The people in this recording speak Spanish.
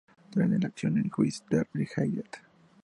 Termina la acción en Huis ter Heide.